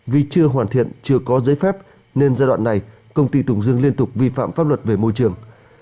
vì chưa hoàn thiện chưa có giấy phép nên giai đoạn này công ty tùng dương liên tục vi phạm pháp luật về môi trường